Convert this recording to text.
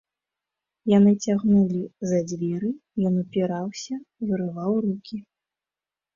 Яны цягнулі за дзверы, ён упіраўся, вырываў рукі.